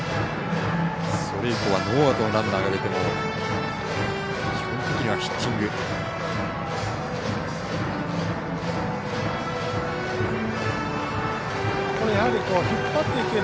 それ以降はノーアウトのランナーが出ても基本的にはヒッティング。